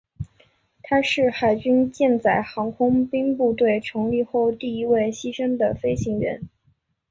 他是海军舰载航空兵部队成立后第一位牺牲的飞行员。